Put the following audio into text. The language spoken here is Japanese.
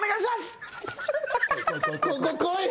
ここ来い！